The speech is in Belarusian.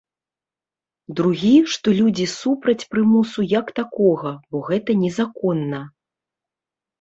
Другі, што людзі супраць прымусу як такога, бо гэта незаконна.